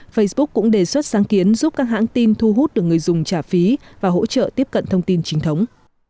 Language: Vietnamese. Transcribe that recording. facebook cũng đề xuất sáng kiến giúp các hãng tin thu hút được người dùng trả phí và hỗ trợ tiếp cận thông tin chính thống